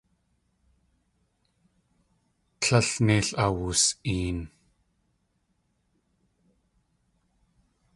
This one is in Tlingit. Tlél neil awus.een.